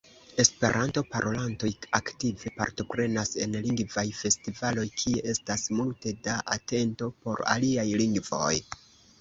Esperanto-parolantoj aktive partoprenas en lingvaj festivaloj kie estas multe da atento por aliaj lingvoj.